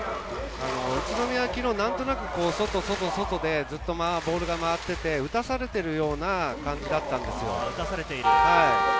宇都宮は昨日、何となく外、外、外でずっとボールが回っていて打たされているような感じでした。